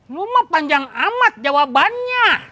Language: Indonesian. lu mah panjang amat jawabannya